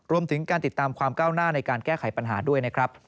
รวมถึงการติดตามความก้าวหน้าในการแก้ไขปัญหาด้วยนะครับ